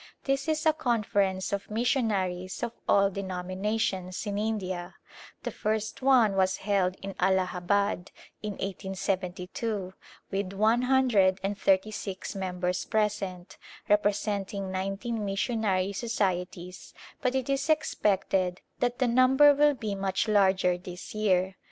This is a conference of missionaries of all denominations in India; the first one was held in Allahabad, in 1872, with one hundred and thirty six members present, representing nineteen missionary societies, but it is expected that the number will be much larger this year.